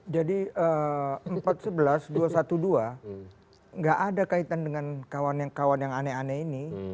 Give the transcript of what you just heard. jadi empat sebelas dua ratus dua belas tidak ada kaitan dengan kawan kawan yang aneh aneh ini